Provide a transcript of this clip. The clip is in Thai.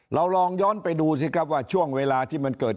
เราลองย้อนไปดูสิครับว่าช่วงเวลาที่มันเกิด